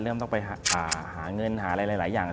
เริ่มต้องไปหาเงินหาอะไรหลายอย่าง